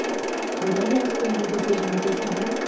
"I don't ask for any decision at this time.